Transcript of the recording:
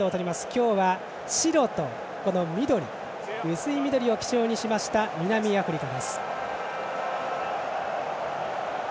今日は、白と緑薄い緑を基調にした南アフリカ。